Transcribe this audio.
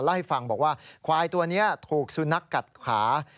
เล่าให้ฟังบอกว่าควายตัวนี้ถูกสุนัขกัดขา